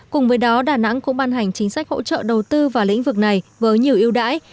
cùng với đó đà nẵng cũng ban hành chính sách hỗ trợ đầu tư vào lĩnh vực này với nhiều ưu đãi